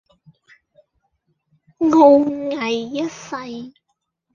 傲睨一世